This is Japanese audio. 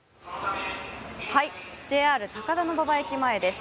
ＪＲ高田馬場駅前です。